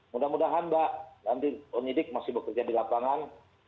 mudah mudahan mbak nanti penyidik masih bekerja di lapangan